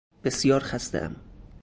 بسیار خستهام